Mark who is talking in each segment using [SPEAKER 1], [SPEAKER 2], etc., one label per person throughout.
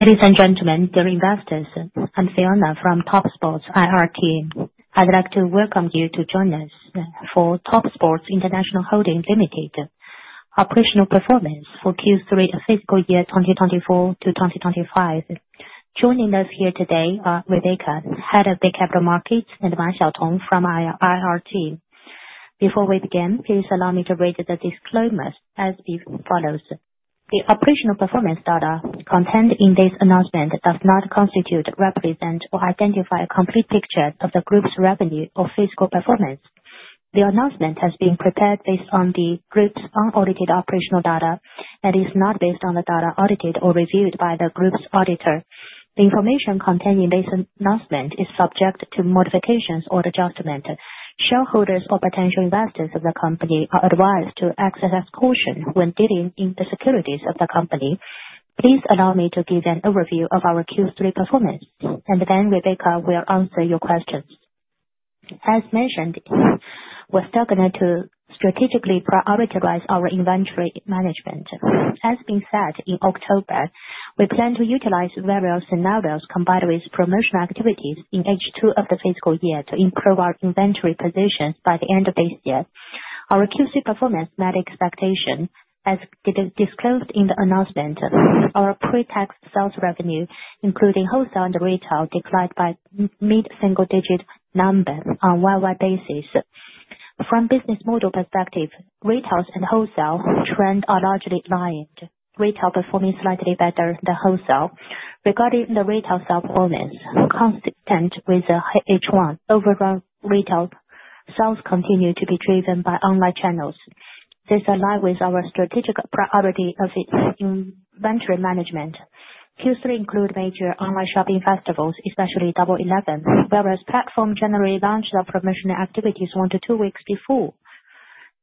[SPEAKER 1] Ladies and gentlemen, dear investors, I'm Fiona from Topsports IR team. I'd like to welcome you to join us for Topsports International Holdings Limited, operational performance for Q3 of fiscal year 2024 to 2025. Joining us here today are Rebecca, Head of Capital Markets, and Marc Auton from IR team. Before we begin, please allow me to read the disclaimers as before. The operational performance data contained in this announcement does not constitute, represent, or identify a complete picture of the group's revenue or fiscal performance. The announcement has been prepared based on the group's un-audited operational data and is not based on the data audited or reviewed by the group's auditor. The information contained in this announcement is subject to modifications or adjustments. Shareholders or potential investors of the company are advised to exercise caution when dealing in the securities of the company. Please allow me to give an overview of our Q3 performance, and then Rebecca will answer your questions. As mentioned, we're struggling to strategically prioritize our inventory management. As being said, in October, we plan to utilize various scenarios combined with promotional activities in H2 of the fiscal year to improve our inventory position by the end of this year. Our Q3 performance met expectations. As disclosed in the announcement, our pre-tax sales revenue, including wholesale and retail, declined by mid-single-digit numbers on a worldwide basis. From a business model perspective, retail and wholesale trends are largely aligned, retail performing slightly better than wholesale. Regarding the retail sales performance, consistent with H1, overall retail sales continue to be driven by online channels. This aligns with our strategic priority of inventory management. Q3 included major online shopping festivals, especially Double 11, whereas platforms generally launch their promotional activities one to two weeks before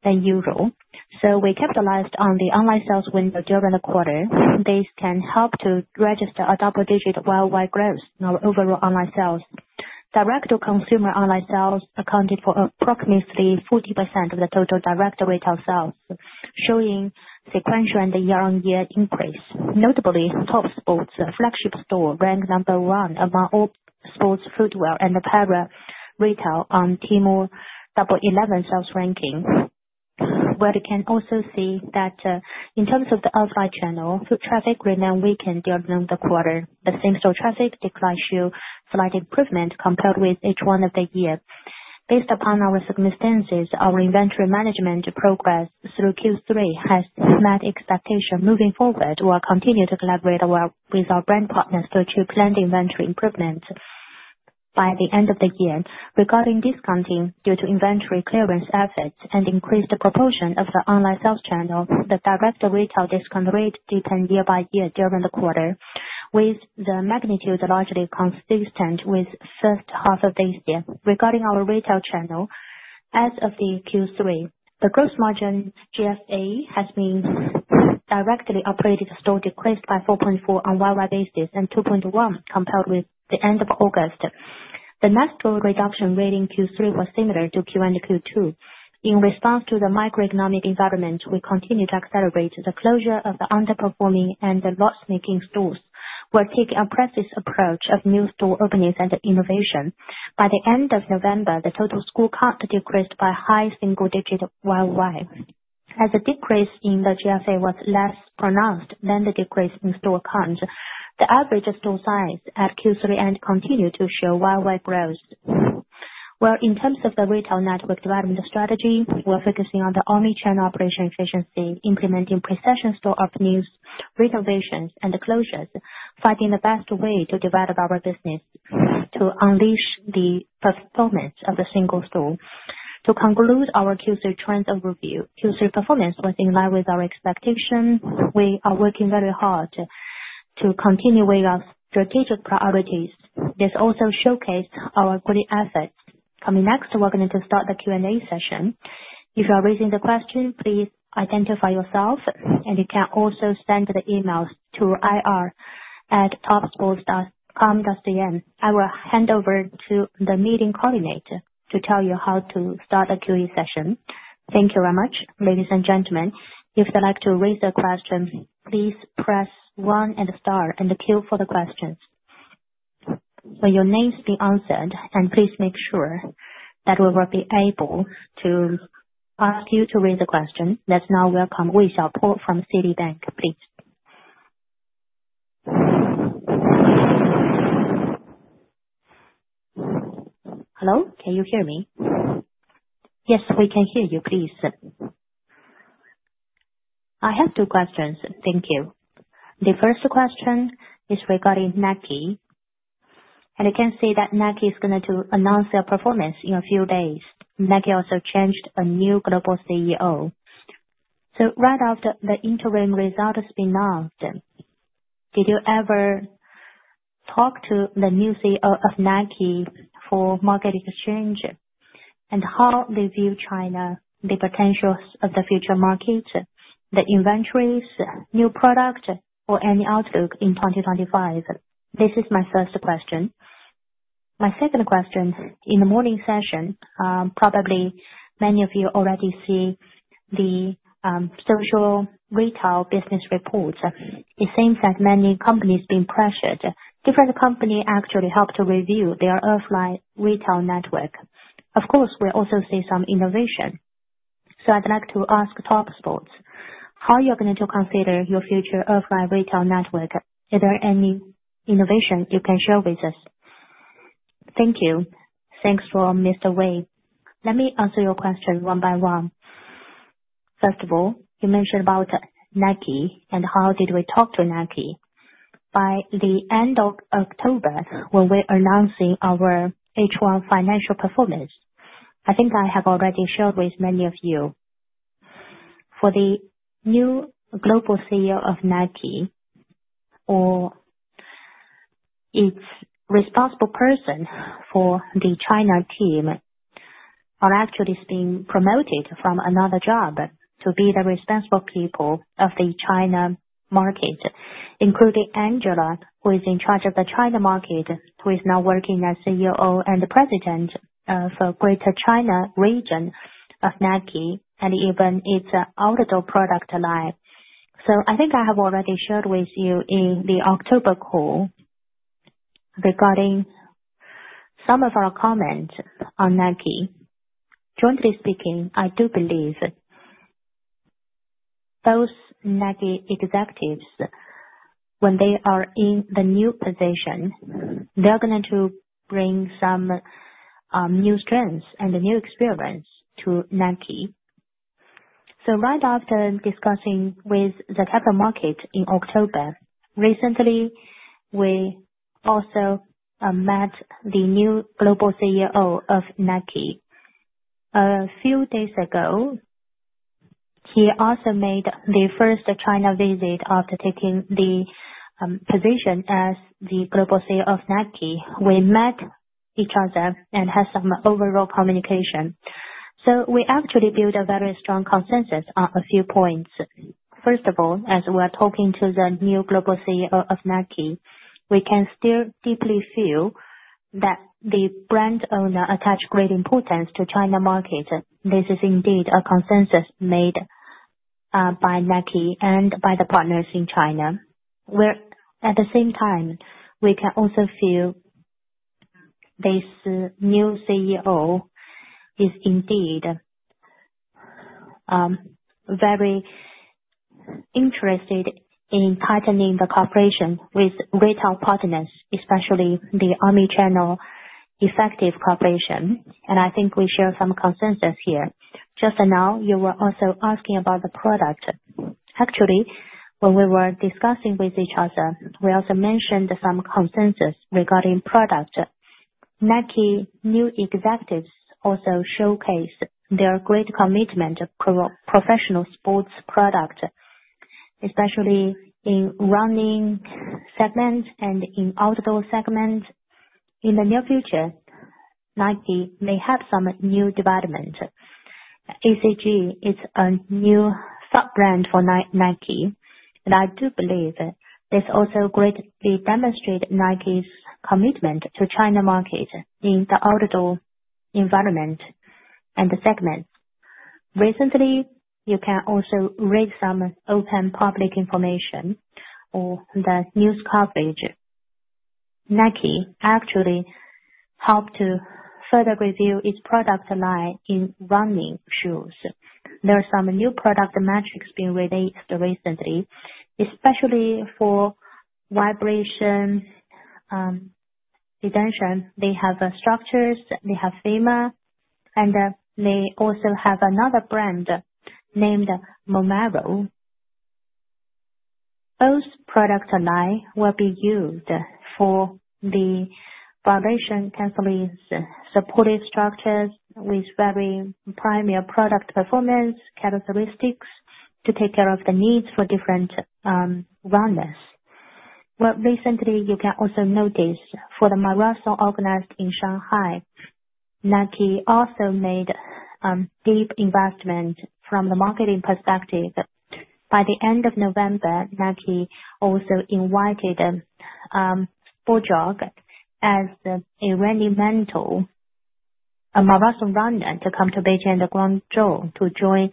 [SPEAKER 1] the usual. We capitalized on the online sales window during the quarter. This can help to register a double-digit worldwide growth in our overall online sales. Direct-to-consumer online sales accounted for approximately 40% of the total direct-to-retail sales, showing sequential and year-on-year increase. Notably, Topsports' flagship store ranked number one among all sports, footwear, and apparel retail on Tmall Double 11 sales ranking. You can also see that in terms of the offline channel, foot traffic remained weakened during the quarter. The same-store traffic decline showed slight improvement compared with H1 of the year. Based upon our circumstances, our inventory management progress through Q3 has met expectations. Moving forward, we'll continue to collaborate well with our brand partners to achieve planned inventory improvements by the end of the year. Regarding discounting, due to inventory clearance efforts and increased proportion of the online sales channel, the direct-to-retail discount rate deepens year by year during the quarter, with the magnitude largely consistent with the first half of this year. Regarding our retail channel, as of Q3, the gross margin GFA has been directly operated stores decreased by 4.4 on a worldwide basis and 2.1 compared with the end of August. The net store reduction rate in Q3 was similar to Q1 and Q2. In response to the macroeconomic environment, we continue to accelerate the closure of the underperforming and the loss-making stores. We're taking a cautious approach of new store openings and innovation. By the end of November, the total store count decreased by a high single-digit worldwide. As the decrease in the GFA was less pronounced than the decrease in store count, the average store size at Q3 continued to show worldwide growth. Where in terms of the retail network development strategy, we're focusing on the omnichannel operation efficiency, implementing precision store openings, renovations, and closures, finding the best way to develop our business to unleash the performance of the single store. To conclude our Q3 trends overview, Q3 performance was in line with our expectations. We are working very hard to continue with our strategic priorities. This also showcased our great efforts. Coming next, we're going to start the Q&A session. If you are raising the question, please identify yourself, and you can also send the email to ir@topsports.com.cn. I will hand over to the meeting coordinator to tell you how to start a Q&A session.
[SPEAKER 2] Thank you very much, ladies and gentlemen. If you'd like to raise a question, please press one and star and queue for the questions. When your name is called, please make sure that you will be able to ask your question. Let's now welcome Wei Xiaopo from Citibank, please. Hello? Can you hear me?
[SPEAKER 3] Yes, we can hear you, please.
[SPEAKER 2] I have two questions. Thank you. The first question is regarding Nike, and I can see that Nike is going to announce their performance in a few days. Nike also has a new global CEO. So right after the interim results have been announced, did you ever talk to the new CEO of Nike for market exchange? And how do you view China, the potential of the future market, the inventories, new products, or any outlook in 2025? This is my first question. My second question, in the morning session, probably many of you already see the social retail business reports. It seems that many companies have been pressured. Different companies actually helped to review their offline retail network. Of course, we also see some innovation. So I'd like to ask Topsports, how are you going to consider your future offline retail network? Is there any innovation you can share with us?
[SPEAKER 3] Thank you. Thanks for Mr. Wei. Let me answer your question one by one. First of all, you mentioned about Nike and how did we talk to Nike? By the end of October, when we're announcing our H1 financial performance, I think I have already shared with many of you. For the new global CEO of Nike, or its responsible person for the China team, are actually being promoted from another job to be the responsible people of the China market, including Angela, who is in charge of the China market, who is now working as CEO and President of the Greater China region of Nike and even its outdoor product line. So I think I have already shared with you in the October call regarding some of our comments on Nike. Frankly speaking, I do believe those Nike executives, when they are in the new position, they're going to bring some new strengths and new experience to Nike. So right after discussing with the capital market in October, recently, we also met the new global CEO of Nike. A few days ago, he also made the first China visit after taking the position as the global CEO of Nike. We met each other and had some overall communication. So we actually built a very strong consensus on a few points. First of all, as we're talking to the new global CEO of Nike, we can still deeply feel that the brand owner attaches great importance to the China market. This is indeed a consensus made by Nike and by the partners in China. Whereas at the same time, we can also feel this new CEO is indeed very interested in tightening the cooperation with retail partners, especially the omnichannel effective cooperation. And I think we share some consensus here. Just now, you were also asking about the product. Actually, when we were discussing with each other, we also mentioned some consensus regarding product. Nike's new executives also showcased their great commitment to professional sports products, especially in running segments and in outdoor segments. In the near future, Nike may have some new developments. ACG is a new sub-brand for Nike, and I do believe this also greatly demonstrates Nike's commitment to the China market in the outdoor environment and segments. Recently, you can also read some open public information or the news coverage. Nike actually helped to further review its product line in running shoes. There are some new product metrics being released recently, especially for vibration reduction. They have Structures, they have Pegasus, and they also have another brand named Vomero. Those product lines will be used for the vibration canceling supported structures with very primary product performance characteristics to take care of the needs for different runners. Recently, you can also notice for the marathon organized in Shanghai, Nike also made deep investment from the marketing perspective. By the end of November, Nike also invited Eliud Kipchoge as a monumental marathon runner to come to Beijing and Guangzhou to join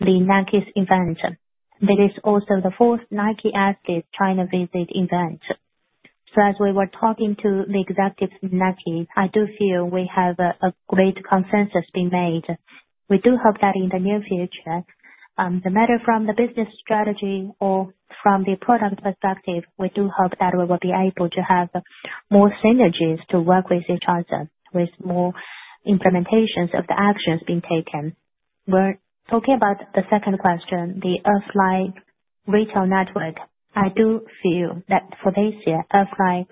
[SPEAKER 3] the Nike's event. That is also the fourth Nike-assisted China visit event. So as we were talking to the executives of Nike, I do feel we have a great consensus being made. We do hope that in the near future, no matter from the business strategy or from the product perspective, we do hope that we will be able to have more synergies to work with each other with more implementations of the actions being taken. We're talking about the second question, the offline retail network. I do feel that for this year, offline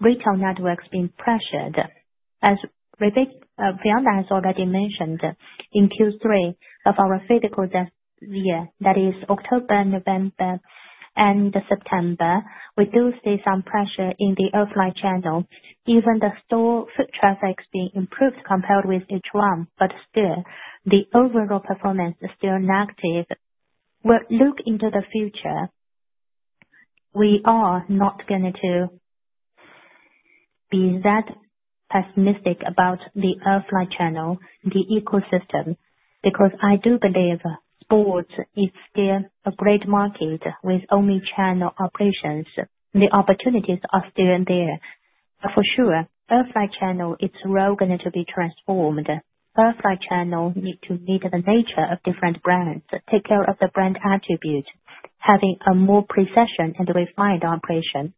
[SPEAKER 3] retail network has been pressured. As Fiona has already mentioned, in Q3 of our fiscal year, that is October and November and September, we do see some pressure in the offline channel. Even the store foot traffic has been improved compared with H1, but still, the overall performance is still negative. We'll look into the future. We are not going to be that pessimistic about the offline channel, the ecosystem, because I do believe sports is still a great market with omnichannel operations. The opportunities are still there. For sure, offline channel, it's going to be transformed. Offline channel needs to meet the nature of different brands, take care of the brand attribute, having a more precision and refined operation.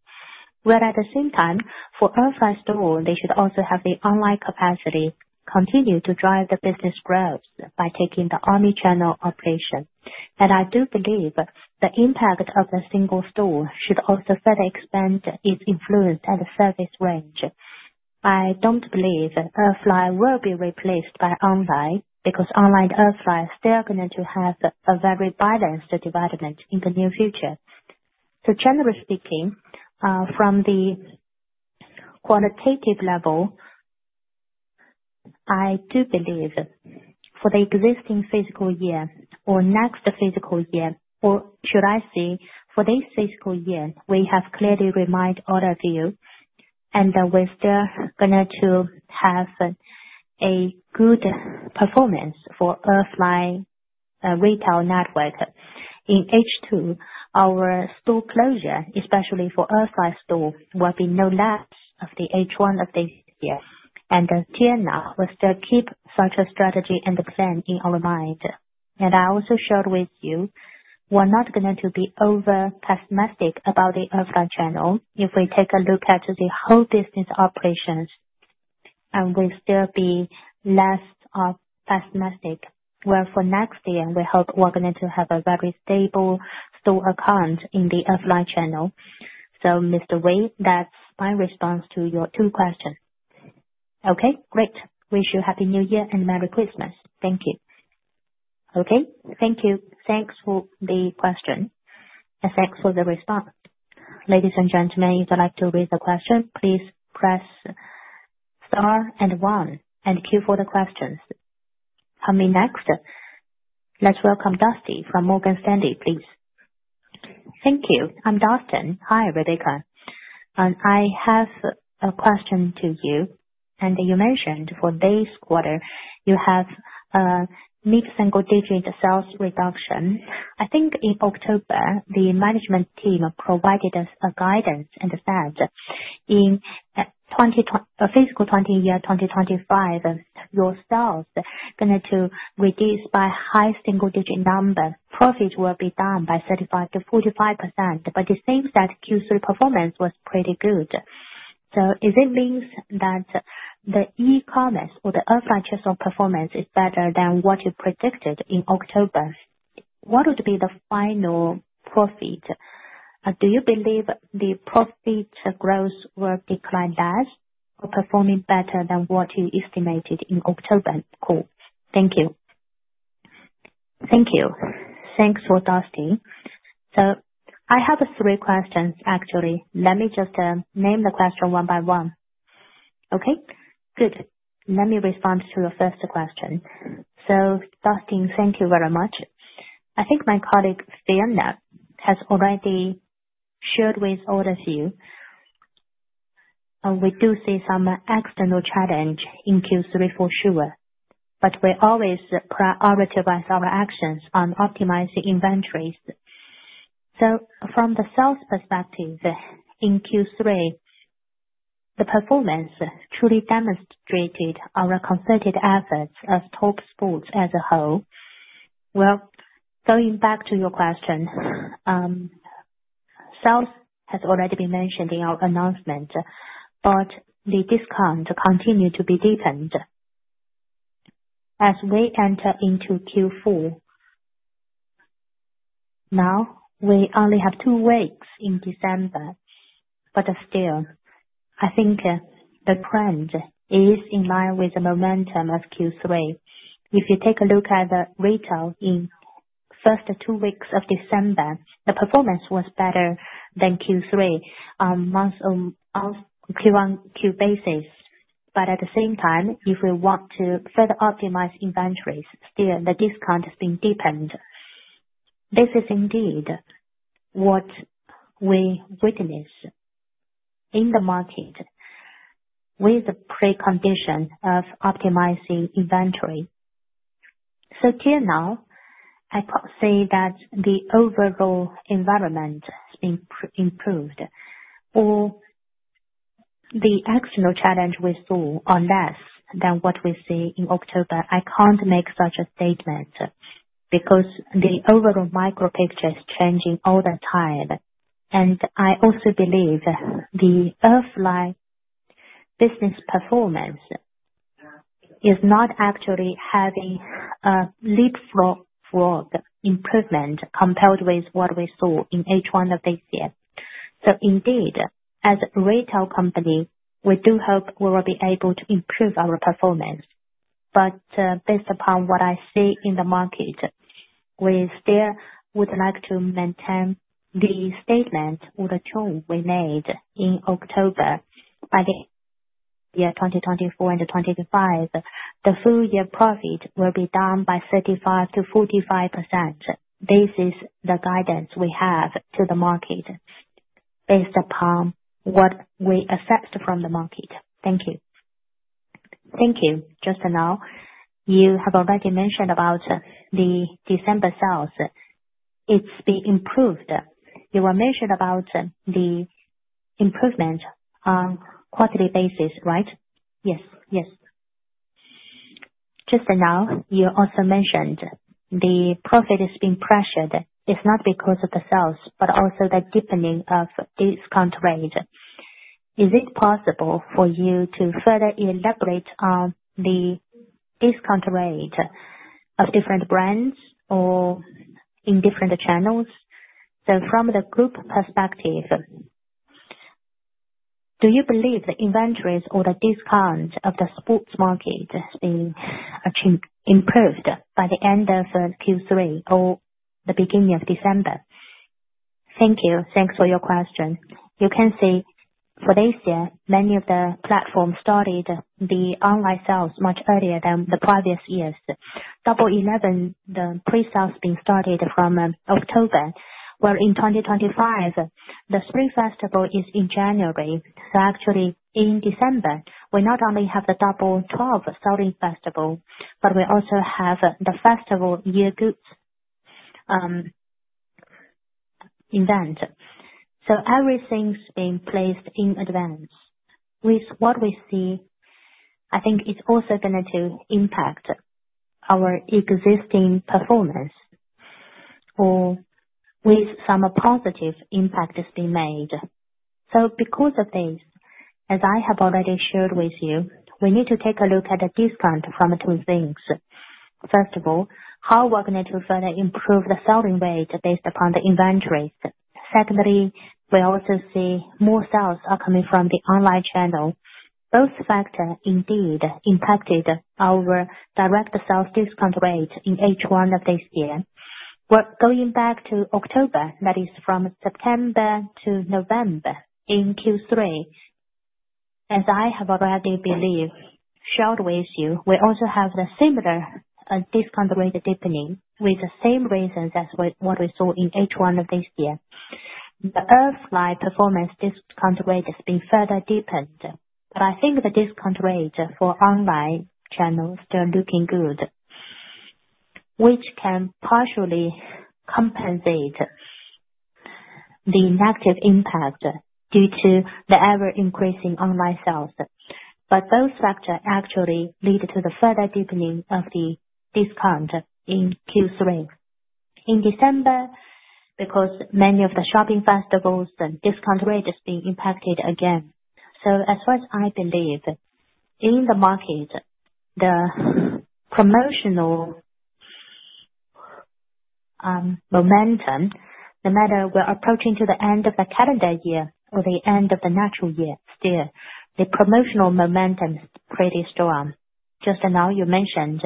[SPEAKER 3] While at the same time, for offline store, they should also have the online capacity to continue to drive the business growth by taking the omnichannel operation. And I do believe the impact of the single store should also further expand its influence and service range. I don't believe offline will be replaced by online because online offline is still going to have a very balanced development in the near future. So generally speaking, from the qualitative level, I do believe for the existing fiscal year or next fiscal year, or should I say for this fiscal year, we have clearly reminded all of you, and we're still going to have a good performance for offline retail network. In H2, our store closure, especially for offline store, will be no less of the H1 of this year, and Topsports will still keep such a strategy and a plan in our mind, and I also shared with you, we're not going to be over-pessimistic about the offline channel. If we take a look at the whole business operations, we'll still be less pessimistic. Where for next year, we hope we're going to have a very stable store account in the offline channel. So Mr. Wei, that's my response to your two questions.
[SPEAKER 2] Okay, great. Wish you a Happy New Year and Merry Christmas. Thank you. Okay, thank you. Thanks for the question and thanks for the response. Ladies and gentlemen, if you'd like to raise a question, please press star and one and queue for the questions. Coming next, let's welcome Dustin from Morgan Stanley, please. Thank you. I'm Dustin. Hi, Rebecca. I have a question to you. And you mentioned for this quarter, you have a mid-single-digit sales reduction. I think in October, the management team provided us guidance and said in fiscal year 2025, your sales are going to reduce by a high single-digit number. Profits will be down by 35%-45%. But it seems that Q3 performance was pretty good. So if it means that the e-commerce or the offline channel performance is better than what you predicted in October, what would be the final profit? Do you believe the profit growth will decline less or perform better than what you estimated in October? Thank you.
[SPEAKER 3] Thank you. Thanks, Dustin. So I have three questions, actually. Let me just name the question one by one. Okay, good. Let me respond to your first question. So Dustin, thank you very much. I think my colleague Fiona has already shared with all of you. We do see some external challenge in Q3 for sure, but we always prioritize our actions on optimizing inventories. So from the sales perspective, in Q3, the performance truly demonstrated our concerted efforts of Topsports as a whole. Going back to your question, sales has already been mentioned in our announcement, but the discount continued to be deepened as we enter into Q4. Now, we only have two weeks in December, but still, I think the trend is in line with the momentum of Q3. If you take a look at the retail in the first two weeks of December, the performance was better than Q3 on a month-on-month basis. But at the same time, if we want to further optimize inventories, still, the discount has been deepened. This is indeed what we witness in the market with the precondition of optimizing inventory. Tier now, I see that the overall environment has been improved or the external challenge we saw less than what we see in October. I can't make such a statement because the overall macro picture is changing all the time. I also believe the offline business performance is not actually having a leapfrog improvement compared with what we saw in H1 of this year. Indeed, as a retail company, we do hope we will be able to improve our performance. Based upon what I see in the market, we still would like to maintain the statement or the tone we made in October by the year 2024 and 2025. The full-year profit will be down by 35%-45%. This is the guidance we have to the market based upon what we assessed from the market. Thank you.
[SPEAKER 2] Thank you. Just now, you have already mentioned about the December sales. It's been improved. You were mentioned about the improvement on a quarterly basis, right? Yes, yes. Just now, you also mentioned the profit has been pressured. It's not because of the sales, but also the deepening of discount rate. Is it possible for you to further elaborate on the discount rate of different brands or in different channels? So from the group perspective, do you believe the inventories or the discount of the sports market has been improved by the end of Q3 or the beginning of December?
[SPEAKER 3] Thank you. Thanks for your question. You can see for this year, many of the platforms started the online sales much earlier than the previous years. Double 11, the pre-sales being started from October, where in 2025, the spring festival is in January. So actually, in December, we not only have the Double 12 selling festival, but we also have the festival year goods event. So everything's been placed in advance. With what we see, I think it's also going to impact our existing performance, or with some positive impact has been made. So because of this, as I have already shared with you, we need to take a look at the discount from two things. First of all, how are we going to further improve the selling rate based upon the inventories? Secondly, we also see more sales are coming from the online channel. Those factors indeed impacted our direct sales discount rate in H1 of this year. Going back to October, that is from September to November in Q3, as I have already shared with you, we also have a similar discount rate deepening with the same reasons as what we saw in H1 of this year. The offline performance discount rate has been further deepened, but I think the discount rate for online channels is still looking good, which can partially compensate the negative impact due to the ever-increasing online sales. But those factors actually lead to the further deepening of the discount in Q3. In December, because many of the shopping festivals, the discount rate has been impacted again. So as far as I believe, in the market, the promotional momentum, no matter we're approaching to the end of the calendar year or the end of the natural year, still, the promotional momentum is pretty strong. Just now, you mentioned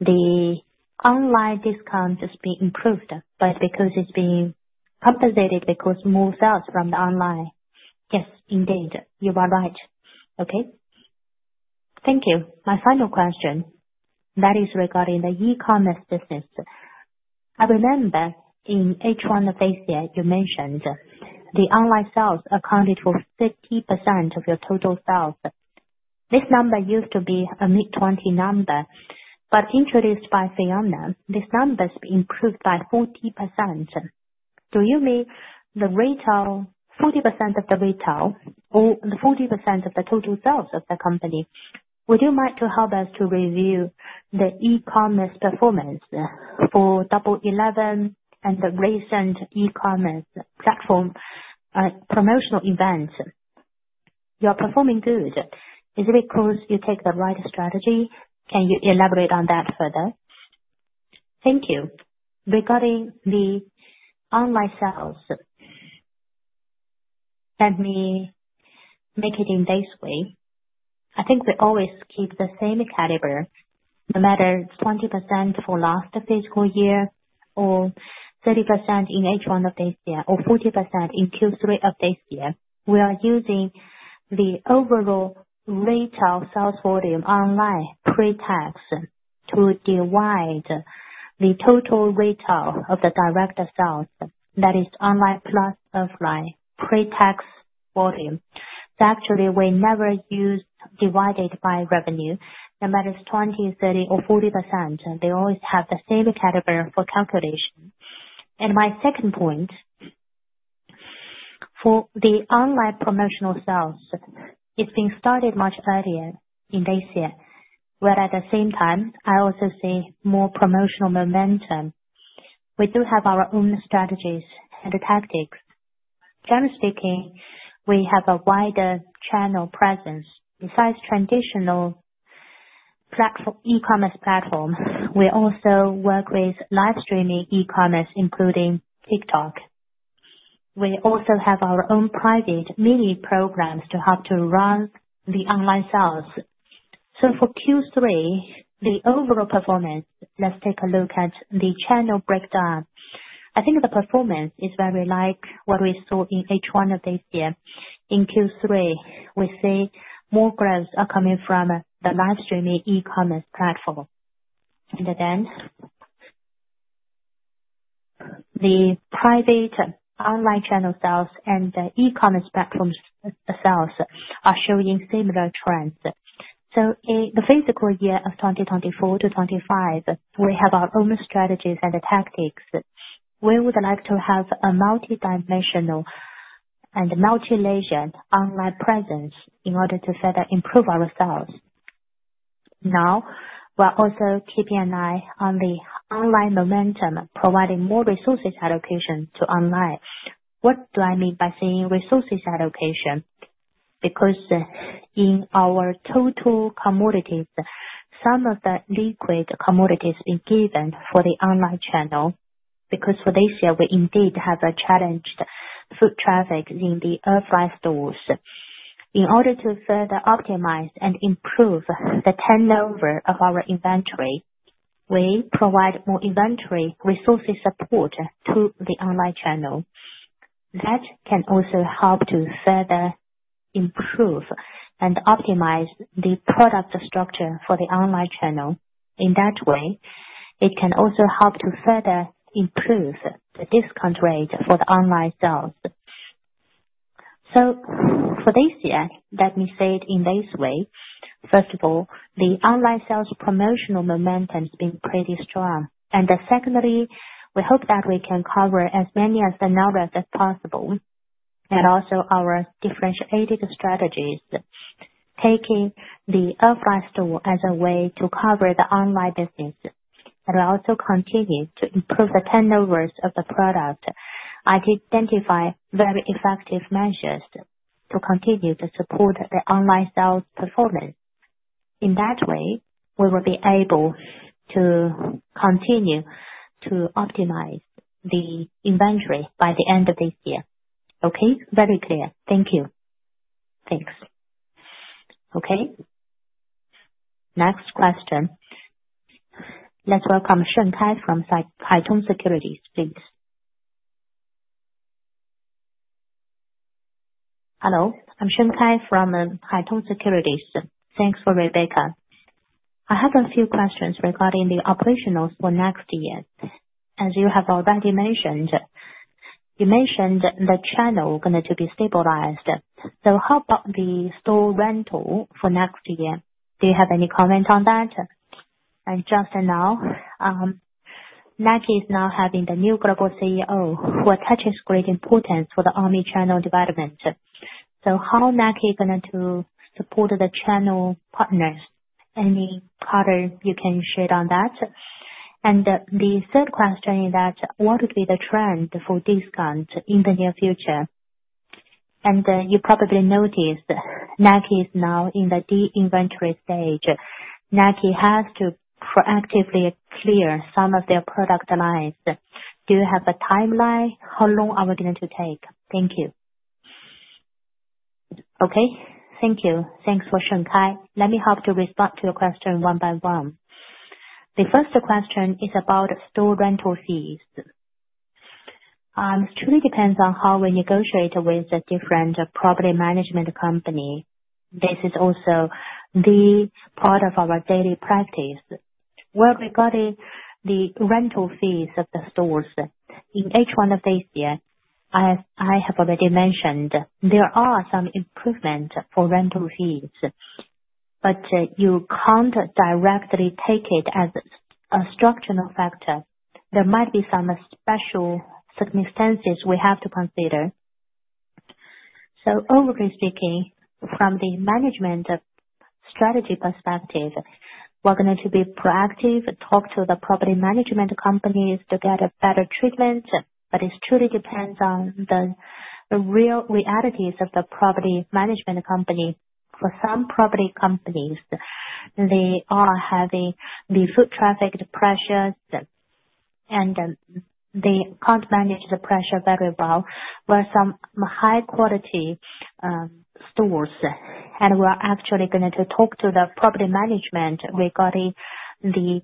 [SPEAKER 3] the online discount has been improved, but because it's been compensated because more sales from the online. Yes, indeed, you are right.
[SPEAKER 2] Okay. Thank you. My final question, that is regarding the e-commerce business. I remember in H1 of this year, you mentioned the online sales accounted for 50% of your total sales. This number used to be a mid-20 number, but introduced by Fiona, this number has been improved by 40%. Do you mean the retail, 40% of the retail or 40% of the total sales of the company? Would you like to help us to review the e-commerce performance for Double 11 and the recent e-commerce platform promotional events? You're performing good. Is it because you take the right strategy? Can you elaborate on that further?
[SPEAKER 3] Thank you. Regarding the online sales, let me make it in this way. I think we always keep the same caliber, no matter 20% for last fiscal year or 30% in H1 of this year or 40% in Q3 of this year. We are using the overall retail sales volume online pre-tax to divide the total retail of the direct sales, that is online plus offline pre-tax volume. Actually, we never use divided by revenue, no matter it's 20%, 30%, or 40%. They always have the same caliber for calculation, and my second point, for the online promotional sales, it's been started much earlier in this year, where at the same time, I also see more promotional momentum. We do have our own strategies and tactics. Generally speaking, we have a wider channel presence. Besides traditional e-commerce platforms, we also work with live streaming e-commerce, including TikTok. We also have our own private mini programs to help to run the online sales, so for Q3, the overall performance, let's take a look at the channel breakdown. I think the performance is very like what we saw in H1 of this year. In Q3, we see more growth coming from the live streaming e-commerce platform. And then, the private online channel sales and the e-commerce platform sales are showing similar trends. So in the fiscal year of 2024 to 2025, we have our own strategies and tactics. We would like to have a multi-dimensional and multi-layered online presence in order to further improve our sales. Now, we're also keeping an eye on the online momentum, providing more resources allocation to online. What do I mean by saying resources allocation? Because in our total commodities, some of the liquid commodities have been given for the online channel. Because for this year, we indeed have a challenged foot traffic in the offline stores. In order to further optimize and improve the turnover of our inventory, we provide more inventory resources support to the online channel. That can also help to further improve and optimize the product structure for the online channel. In that way, it can also help to further improve the discount rate for the online sales, so for this year, let me say it in this way. First of all, the online sales promotional momentum has been pretty strong, and secondly, we hope that we can cover as many of the numbers as possible and also our differentiated strategies, taking the offline store as a way to cover the online business, and we also continue to improve the turnovers of the product. I identify very effective measures to continue to support the online sales performance. In that way, we will be able to continue to optimize the inventory by the end of this year.
[SPEAKER 2] Okay, very clear. Thank you. Thanks. Okay. Next question. Let's welcome Sheng Kai from Haitong Securities, please. Hello. I'm Sheng Kai from Haitong Securities. Thanks, Rebecca. I have a few questions regarding the operations for next year. As you have already mentioned, you mentioned the channel is going to be stabilized. So how about the store rental for next year? Do you have any comment on that? And just now, Nike is now having the new global CEO, who attaches great importance for the omnichannel development. So how is Nike going to support the channel partners? Any color you can share on that? And the third question is that, what would be the trend for discounts in the near future? And you probably noticed Nike is now in the de-inventory stage. Nike has to proactively clear some of their product lines. Do you have a timeline? How long are we going to take? Thank you.
[SPEAKER 3] Okay. Thank you. Thanks for Sheng Kai. Let me help to respond to your question one by one. The first question is about store rental fees. It truly depends on how we negotiate with the different property management company. This is also the part of our daily practice. Regarding the rental fees of the stores, in H1 of this year, I have already mentioned there are some improvements for rental fees, but you can't directly take it as a structural factor. There might be some special circumstances we have to consider. Overall speaking, from the management strategy perspective, we're going to be proactive, talk to the property management companies to get a better treatment, but it truly depends on the real realities of the property management company. For some property companies, they are having the foot traffic pressures, and they can't manage the pressure very well. have some high-quality stores, and we're actually going to talk to the property management regarding the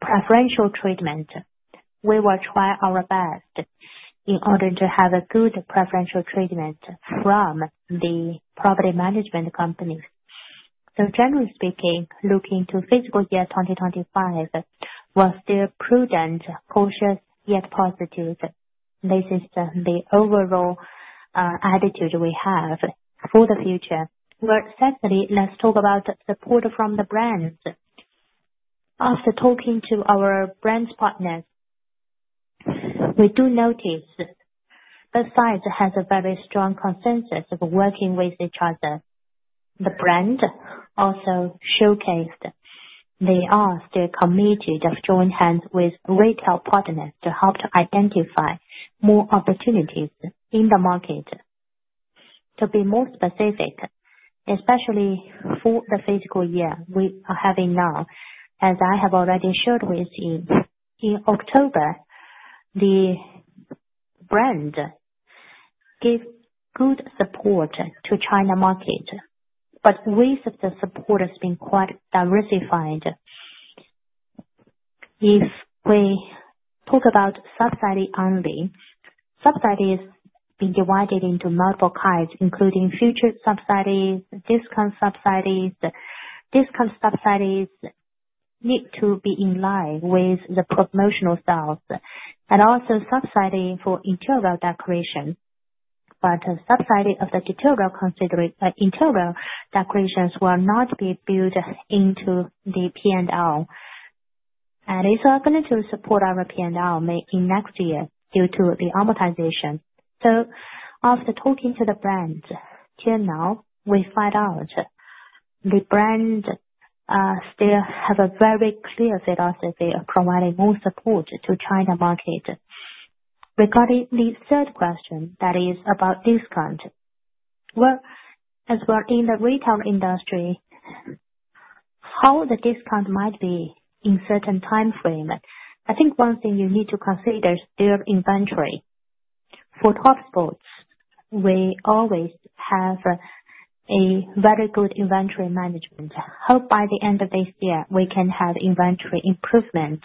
[SPEAKER 3] preferential treatment. We will try our best in order to have a good preferential treatment from the property management companies, so generally speaking, looking to fiscal year 2025, we're still prudent, cautious, yet positive. This is the overall attitude we have for the future. Well, secondly, let's talk about support from the brands. After talking to our brand partners, we do notice both sides have a very strong consensus of working with each other. The brand also showcased they are still committed to join hands with retail partners to help to identify more opportunities in the market. To be more specific, especially for the fiscal year we are having now, as I have already shared with you, in October, the brand gave good support to the China market, but the support has been quite diversified. If we talk about subsidies only, subsidies have been divided into multiple kinds, including future subsidies, discount subsidies. Discount subsidies need to be in line with the promotional sales. And also subsidy for interior decoration. But subsidy of the interior decorations will not be billed into the P&L. And if we're going to support our P&L in next year due to the amortization. So after talking to the brands here now, we find out the brands still have a very clear philosophy of providing more support to the China market. Regarding the third question, that is about discount. As we're in the retail industry, how the discount might be in certain timeframe, I think one thing you need to consider is their inventory. For Topsports, we always have a very good inventory management. Hope by the end of this year, we can have inventory improvement.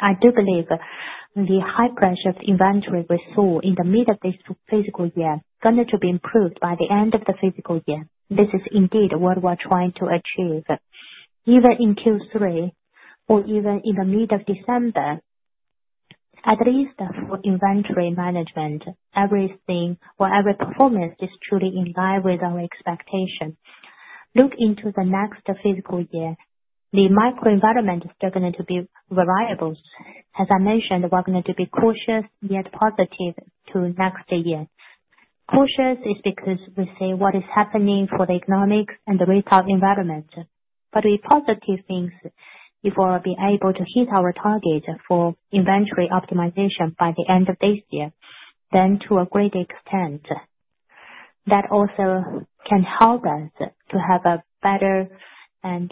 [SPEAKER 3] I do believe the high pressure inventory we saw in the mid of this fiscal year is going to be improved by the end of the fiscal year. This is indeed what we're trying to achieve. Even in Q3 or even in the mid of December, at least for inventory management, everything or every performance is truly in line with our expectation. Look into the next fiscal year. The microenvironment is still going to be variables. As I mentioned, we're going to be cautious, yet positive to next year. Cautiousness is because we see what is happening in the economy and the retail environment. But we see positive things if we're able to hit our target for inventory optimization by the end of this year, then to a great extent. That also can help us to have a better and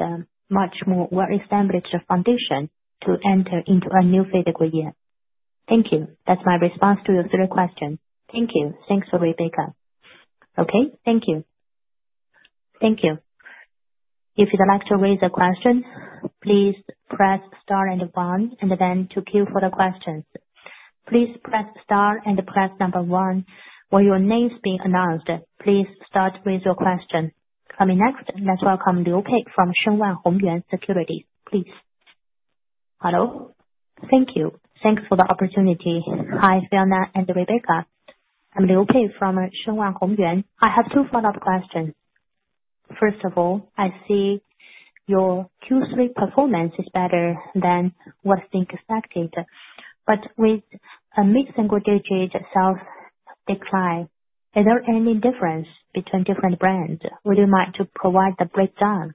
[SPEAKER 3] much more well-established foundation to enter into a new fiscal year. Thank you. That's my response to your three questions.
[SPEAKER 2] Thank you. Thanks, Rebecca. Okay. Thank you. Thank you. If you'd like to raise a question, please press star and one, and then to queue for the questions. Please press star and press number one. Will your names be announced? Please start with your question. Coming next, let's welcome Liu Pei from Shenwan Hongyuan Securities. Please. Hello. Thank you. Thanks for the opportunity. Hi, Fiona and Rebecca. I'm Liu Pei from Shenwan Hongyuan. I have two follow-up questions. First of all, I see your Q3 performance is better than what's been expected, but with a mid-single-digit sales decline, is there any difference between different brands? Would you like to provide the breakdown?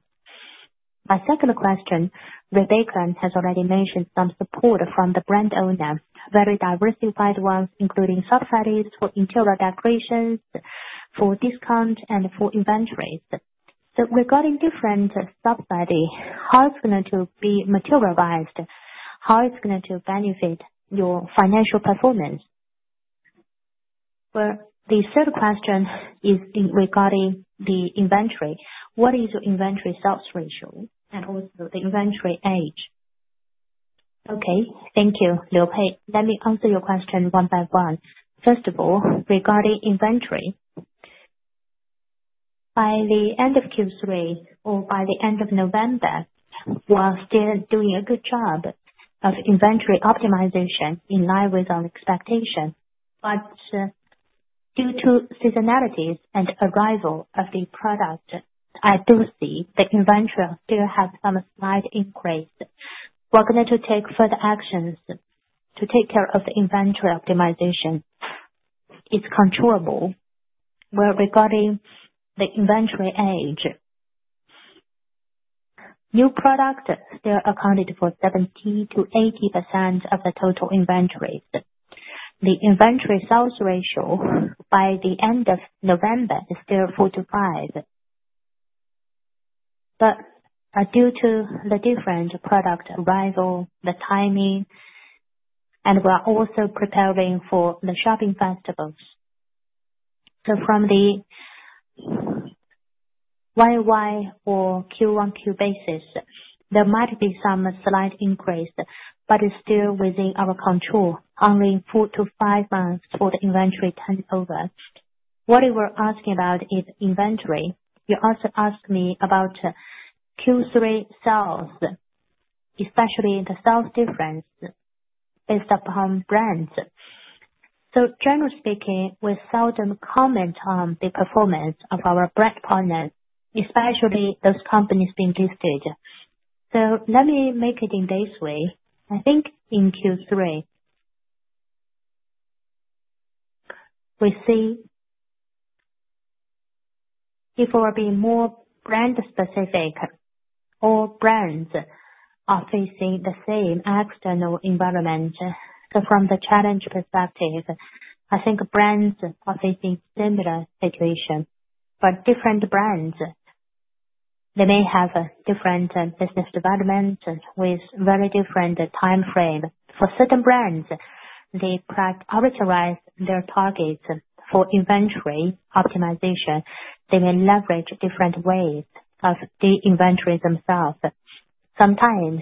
[SPEAKER 2] My second question, Rebecca has already mentioned some support from the brand owner, very diversified ones, including subsidies for interior decorations, for discounts, and for inventories. So regarding different subsidies, how it's going to be materialized? How it's going to benefit your financial performance? Well, the third question is regarding the inventory. What is your inventory sales ratio? And also the inventory age?
[SPEAKER 1] Okay. Thank you, Liu Pei. Let me answer your question one by one. First of all, regarding inventory, by the end of Q3 or by the end of November, we're still doing a good job of inventory optimization in line with our expectation. But due to seasonalities and arrival of the product, I do see the inventory still have some slight increase. We're going to take further actions to take care of the inventory optimization. It's controllable. Well, regarding the inventory age, new products still accounted for 70%-80% of the total inventories. The inventory sales ratio by the end of November is still 4-5. But due to the different product arrival, the timing, and we're also preparing for the shopping festivals. So from the YY or Q1Q basis, there might be some slight increase, but it's still within our control, only 4-5 months for the inventory turnover. What you were asking about is inventory. You also asked me about Q3 sales, especially the sales difference based upon brands. So generally speaking, we seldom comment on the performance of our brand partners, especially those companies being listed. Let me make it in this way. I think in Q3, we see if we're being more brand-specific or brands are facing the same external environment. From the challenge perspective, I think brands are facing similar situations. But different brands, they may have different business development with very different timeframes. For certain brands, they prioritize their targets for inventory optimization. They may leverage different ways of de-inventory themselves. Sometimes,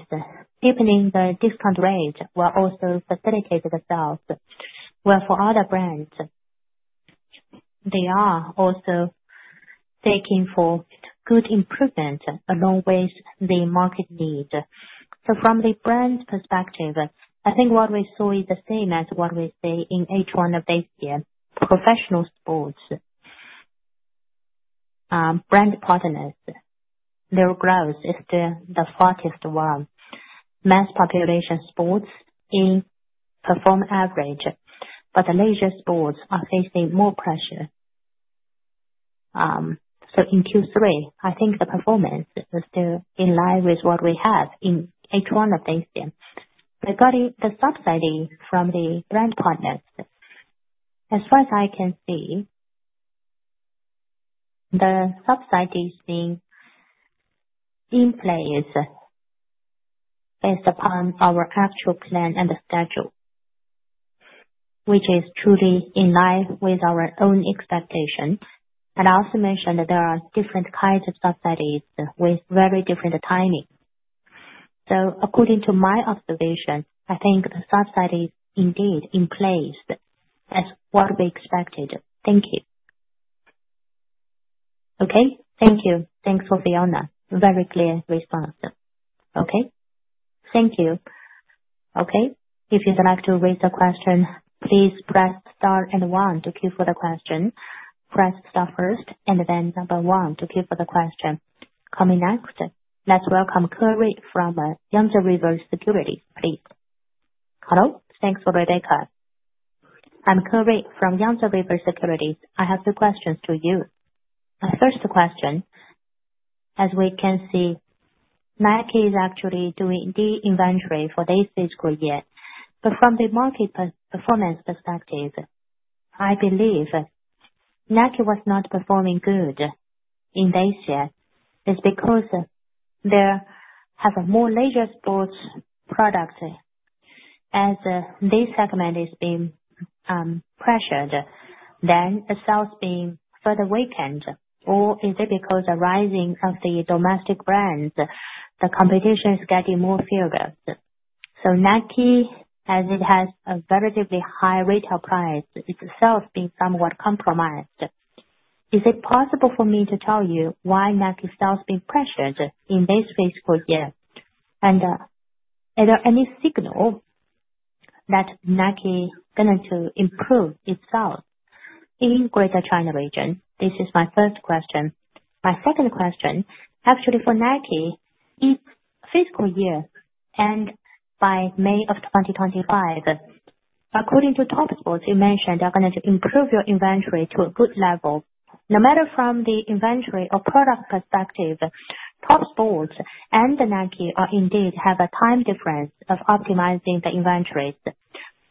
[SPEAKER 1] deepening the discount rate will also facilitate the sales. For other brands, they are also taking for good improvement along with the market need. From the brand perspective, I think what we saw is the same as what we see in H1 of this year. Professional sports, brand partners, their growth is still the fastest one. Mass population sports perform average, but the leisure sports are facing more pressure. So in Q3, I think the performance is still in line with what we have in H1 of this year. Regarding the subsidy from the brand partners, as far as I can see, the subsidies being in place based upon our actual plan and the schedule, which is truly in line with our own expectations. And I also mentioned that there are different kinds of subsidies with very different timing. So according to my observation, I think the subsidy is indeed in place as what we expected. Thank you.
[SPEAKER 2] Okay. Thank you. Thanks, Fiona. Very clear response. Okay. Thank you. Okay. If you'd like to raise a question, please press star and one to queue for the question. Press star first and then number one to queue for the question. Coming next, let's welcome Kerry from Yangtze River Securities, please. Hello. Thanks, Rebecca. I'm Kerry from Yangtze River Securities. I have two questions to you. My first question, as we can see, Nike is actually doing de-inventory for this fiscal year. But from the market performance perspective, I believe Nike was not performing good in this year. It's because they have more leisure sports products as this segment is being pressured, then the sales being further weakened. Or is it because the rising of the domestic brands, the competition is getting more fierce? So Nike, as it has a relatively high retail price, its sales being somewhat compromised. Is it possible for me to tell you why Nike's sales being pressured in this fiscal year? And are there any signals that Nike is going to improve its sales in Greater China? This is my first question. My second question, actually for Nike, it's fiscal year end by May of 2025. According to Topsports, you mentioned they're going to improve your inventory to a good level. No matter from the inventory or product perspective, Topsports and Nike are indeed have a time difference of optimizing the inventories.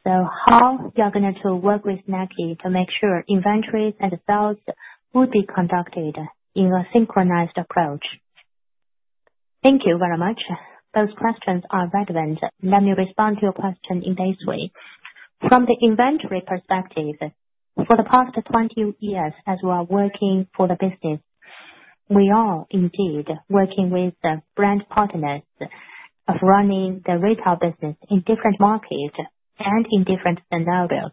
[SPEAKER 2] So how you're going to work with Nike to make sure inventories and sales would be conducted in a synchronized approach?
[SPEAKER 3] Thank you very much. Those questions are relevant. Let me respond to your question in this way. From the inventory perspective, for the past 20 years as we're working for the business, we are indeed working with brand partners of running the retail business in different markets and in different scenarios.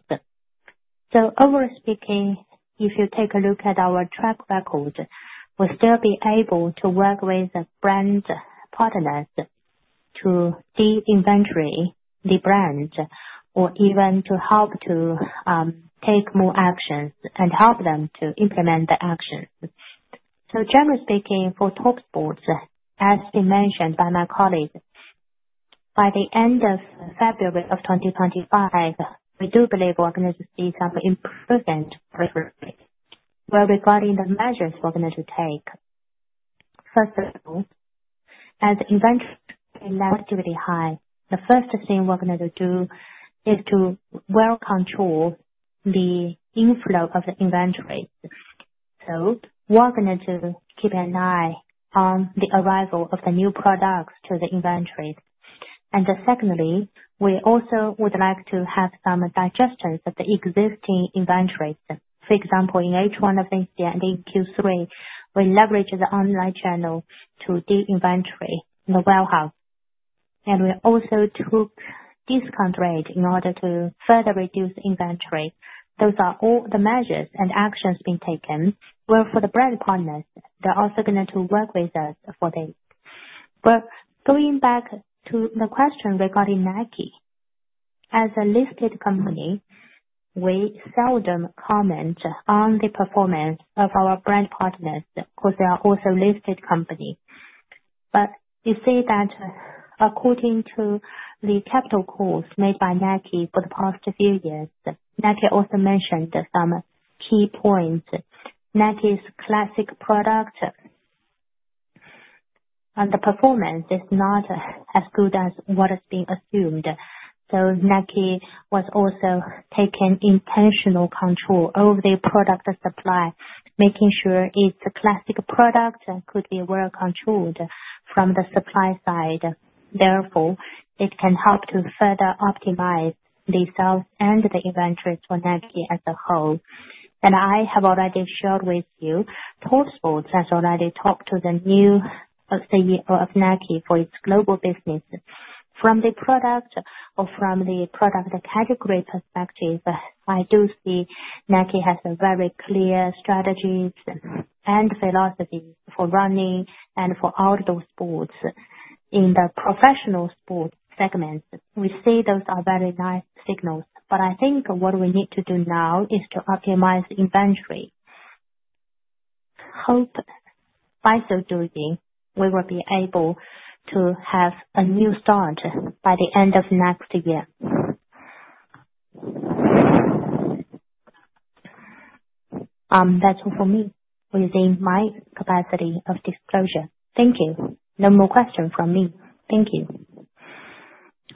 [SPEAKER 3] So overall speaking, if you take a look at our track record, we'll still be able to work with brand partners to de-inventory the brands or even to help to take more actions and help them to implement the actions. Generally speaking, for Topsports, as mentioned by my colleagues, by the end of February of 2025, we do believe we're going to see some improvement. Regarding the measures we're going to take, first of all, as inventory is relatively high, the first thing we're going to do is to control the inflow of the inventory. We're going to keep an eye on the arrival of the new products to the inventory. And secondly, we also would like to have some digestion of the existing inventories. For example, in H1 of this year and in Q3, we leveraged the online channel to de-inventory the warehouse. And we also took discount rate in order to further reduce inventory. Those are all the measures and actions being taken. For the brand partners, they're also going to work with us for this. Going back to the question regarding Nike, as a listed company, we seldom comment on the performance of our brand partners because they are also listed companies. You see that according to the conference calls made by Nike for the past few years, Nike also mentioned some key points. Nike's classic product and the performance is not as good as what has been assumed. Nike was also taking intentional control over the product supply, making sure its classic product could be well controlled from the supply side. Therefore, it can help to further optimize the sales and the inventories for Nike as a whole. I have already shared with you, Topsports has already talked to the new CEO of Nike for its global business. From the product or from the product category perspective, I do see Nike has very clear strategies and philosophies for running and for outdoor sports. In the professional sports segment, we see those are very nice signals. But I think what we need to do now is to optimize inventory. Hope by so doing, we will be able to have a new start by the end of next year. That's all for me within my capacity of disclosure.
[SPEAKER 2] Thank you. No more questions from me. Thank you.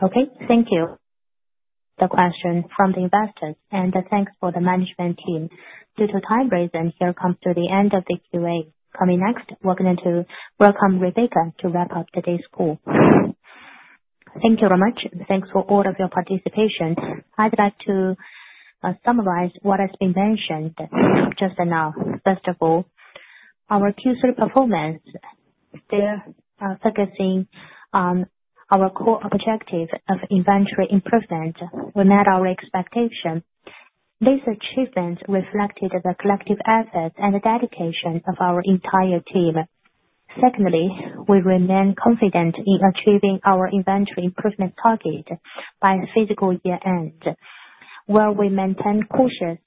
[SPEAKER 1] Okay. Thank you. The question from the investors and thanks for the management team. Due to time reason, here comes to the end of the Q&A. Coming next, we're going to welcome Rebecca to wrap up today's call.
[SPEAKER 3] Thank you very much. Thanks for all of your participation. I'd like to summarize what has been mentioned just now. First of all, our Q3 performance still focusing on our core objective of inventory improvement. We met our expectation. This achievement reflected the collective effort and dedication of our entire team. Secondly, we remain confident in achieving our inventory improvement target by fiscal year end. Well, we maintain cautious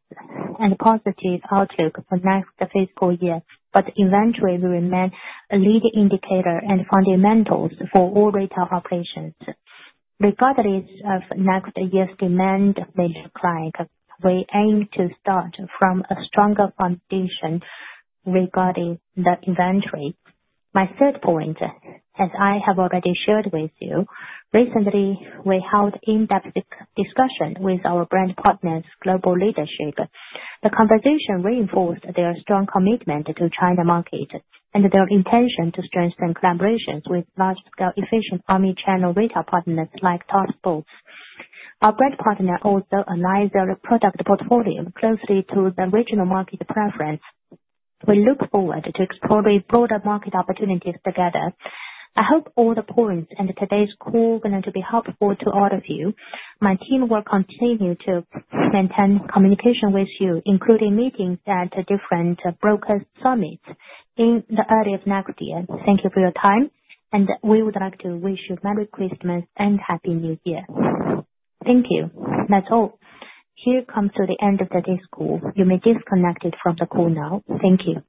[SPEAKER 3] and positive outlook for next fiscal year, but inventory will remain a lead indicator and fundamentals for all retail operations. Regardless of next year's demand may decline, we aim to start from a stronger foundation regarding the inventory. My third point, as I have already shared with you, recently we held in-depth discussion with our brand partners' global leadership. The conversation reinforced their strong commitment to China market and their intention to strengthen collaborations with large-scale efficient omnichannel retail partners like Topsports. Our brand partner also aligns their product portfolio closely to the regional market preference. We look forward to exploring broader market opportunities together. I hope all the points and today's call are going to be helpful to all of you. My team will continue to maintain communication with you, including meetings at different broker summits in the early of next year. Thank you for your time. And we would like to wish you Merry Christmas and Happy New Year. Thank you. That's all. Here comes to the end of today's call. You may disconnect it from the call now. Thank you.